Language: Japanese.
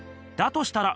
としたら